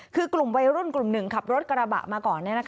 คือกลุ่มวัยรุ่นกลุ่มหนึ่งขับรถกระบะมาก่อน